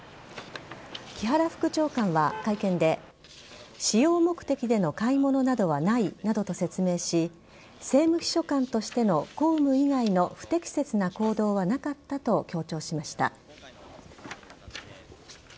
木原副長官は会見で私用目的での買い物などはないなどと説明し政務秘書官としての公務以外の不適切な行動はなかったと強調しました。